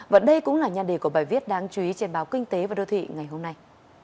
và đây cũng là nhan đề của bài viết đáng chú ý trên báo kinh tế và đô thị ngày hôm nay